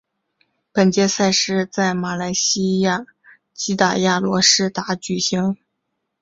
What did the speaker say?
本届赛事于在马来西亚吉打亚罗士打举行。